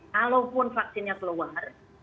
kalaupun vaksinnya keluar